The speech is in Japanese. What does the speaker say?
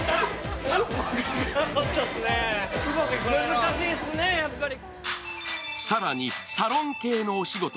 難しいッスね、やっぱり。